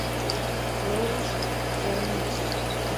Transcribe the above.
Louis Phoenix.